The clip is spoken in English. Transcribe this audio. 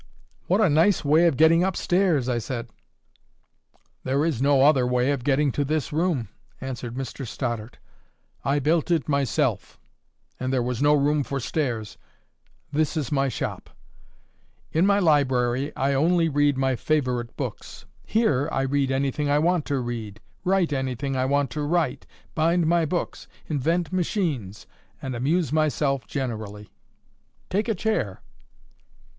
"What a nice way of getting up stairs!" I said. "There is no other way of getting to this room," answered Mr Stoddart. "I built it myself; and there was no room for stairs. This is my shop. In my library I only read my favourite books. Here I read anything I want to read; write anything I want to write; bind my books; invent machines; and amuse myself generally. Take a chair."